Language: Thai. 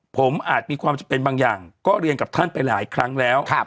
ผมอาจมีความจำเป็นบางอย่างก็เรียนกับท่านไปหลายครั้งแล้ว